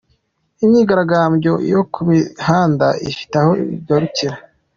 Imyigaragambyo yo mu mihanda ifite aho igarukira.